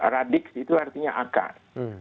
radiks itu artinya akar